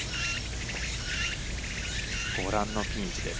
ご覧のピンチです。